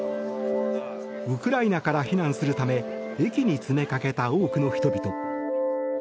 ウクライナから避難するため駅に詰めかけた多くの人々。